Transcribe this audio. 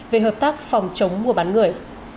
về hợp tác phòng chống mua bán người